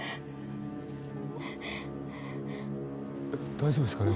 大丈夫ですかね？